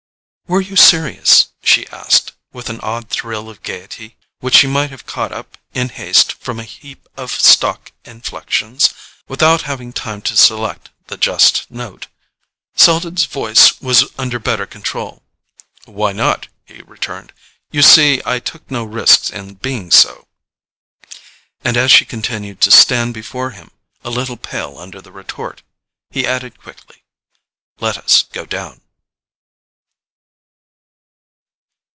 "Were you serious?" she asked, with an odd thrill of gaiety which she might have caught up, in haste, from a heap of stock inflections, without having time to select the just note. Selden's voice was under better control. "Why not?" he returned. "You see I took no risks in being so." And as she continued to stand before him, a little pale under the retort, he added quickly: "Let us go down."